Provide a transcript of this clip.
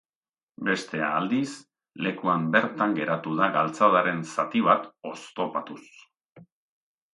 Bestea, aldiz, lekuan bertan geratu da galtzadaren zati bat oztopatuz.